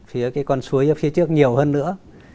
phía cái con suối phía trước nhiều hơn nữa